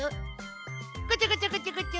こちょこちょこちょこちょ。